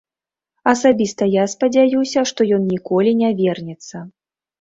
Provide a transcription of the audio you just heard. Асабіста я спадзяюся, што ён ніколі не вернецца.